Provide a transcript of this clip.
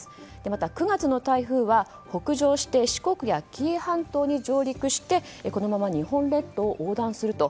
また、９月の台風は北上して四国や紀伊半島に上陸してこのまま日本列島を横断すると。